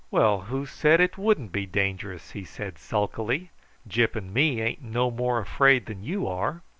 "Well, who said it wouldn't be dangerous?" he said sulkily. "Gyp and me ain't no more afraid than you are."